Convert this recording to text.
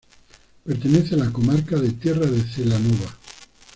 Pertenece a la comarca de Tierra de Celanova.